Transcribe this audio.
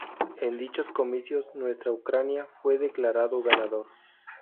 En dichos comicios, Nuestra Ucrania fue declarado ganador.